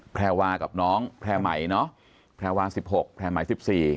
แพรวากับน้องแพรใหม่เนาะแพรวาสิบหกเพรใหม่สิบสี่